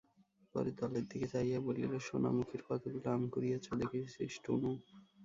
পরে দলের দিকে চাহিয়া বলিল, সোনামুখীর কতগুলো আম কুড়িয়েচে দেখেছিস টুনু?